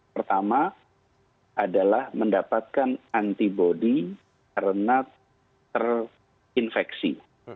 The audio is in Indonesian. pertama adalah mendapatkan antibody karena terinfeksi